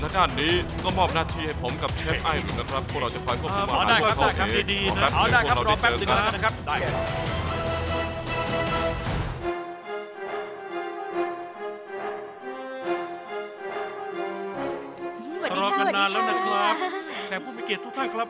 ทั้งสองท่านรับควรไปต้อนรับแขกของพวกเราสักครู่นะครับ